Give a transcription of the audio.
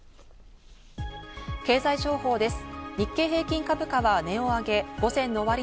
経済情報です。